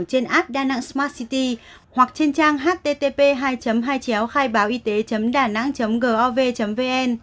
trên app đà nẵng smart city hoặc trên trang http khaibaoyte danang gov vn